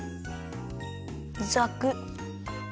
ざくっ！